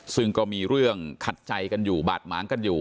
ซึ่งก็มีเรื่องขัดใจกันอยู่บาดหมางกันอยู่